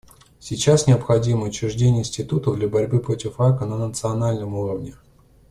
Сейчас необходимо учреждение институтов для борьбы против рака на национальном уровне.